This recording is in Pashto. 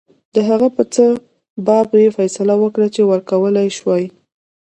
د هغه څه په باب یې فیصله وکړه چې ورکولای یې شوای.